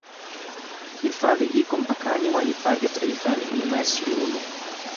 Hifadhi iko mpakani mwa Hifadhi ya taifa ya milima ya Cyulu